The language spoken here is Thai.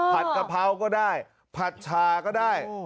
กะเพราก็ได้ผัดชาก็ได้